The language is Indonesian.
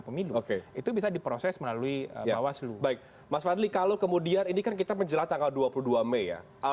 pemilu itu bisa diproses melalui bawah seluruh baik mas fadli kalau kemudian ini kan kita menjelatang dua puluh dua mei ya